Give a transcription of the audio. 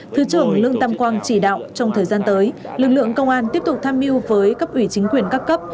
thứ trưởng lương tam quang chỉ đạo trong thời gian tới lực lượng công an tiếp tục tham mưu với cấp ủy chính quyền các cấp